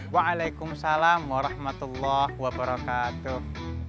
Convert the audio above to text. waalaikumsalam warahmatullahi wabarakatuh